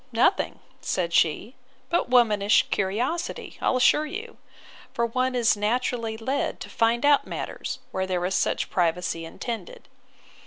Nothing, said she, but womanish curiosity, I'll assure you; for one is naturally led to find out matters, where there is such privacy intended.